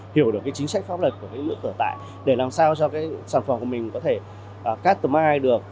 hiểu được chính sách pháp luật của nước ở tại để làm sao cho sản phẩm của mình có thể customized được